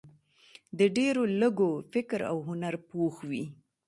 د ډېرو لږو فکر او هنر پوخ وي.